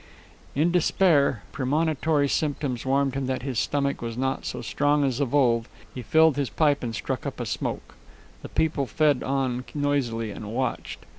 In despair, when premonitory symptoms warned him that his stomach was not so strong as of old, he filled his pipe and struck up a smoke. The people fed on noisily and watched.